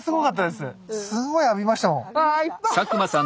すごい浴びましたもん。